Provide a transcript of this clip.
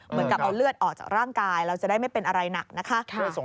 เหมือนกับเอาเลือดออกจากร่างกายเราจะได้ไม่เป็นอะไรหนักนะคะ